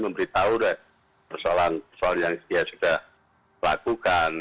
kita tahu persoalan persoalan yang dia sudah lakukan